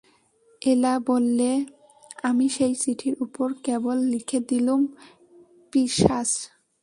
এলা বললে, আমি সেই চিঠির উপর কেবল লিখে দিলুম পিশাচ।